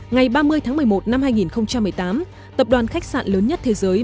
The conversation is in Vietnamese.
ngày ba mươi tháng một mươi một năm hai nghìn một mươi tám tập đoàn khách sạn lớn nhất thế giới